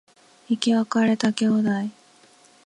生き別れた兄弟